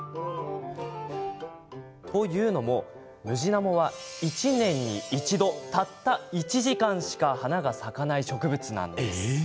というのも、ムジナモは１年に１度、たった１時間しか花が咲かない植物なんです。